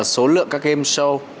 số lượng các game show